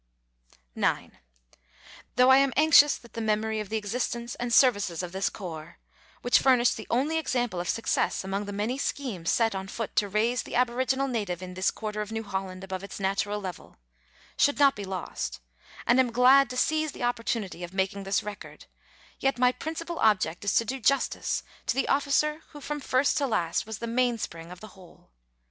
9. Though I am anxious that the memory of the existence and services of this corps, which furnished the only example of success among the many schemes set on foot to raise the aboriginal native in this quarter of New Holland above his natural level, should not be lost, and am glad to seize the opportunity of making this record, yet my principal object is to do justice to the officer who from first to last was the mainspring of the whole.